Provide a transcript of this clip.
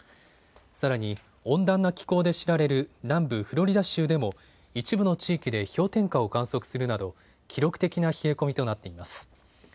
さらに温暖な気候で知られる南部フロリダ州でも一部の地域で氷点下を観測するなど記録的な冷え込みとなっています。